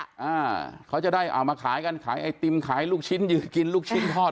อ่าเขาจะได้เอามาขายกันขายไอติมขายลูกชิ้นยืนกินลูกชิ้นทอด